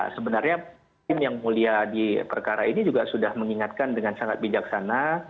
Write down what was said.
sebenarnya tim yang mulia di perkara ini juga sudah mengingatkan dengan sangat bijaksana